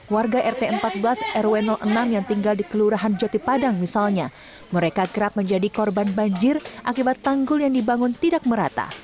warga rt empat belas rw enam yang tinggal di kelurahan jati padang misalnya mereka kerap menjadi korban banjir akibat tanggul yang dibangun tidak merata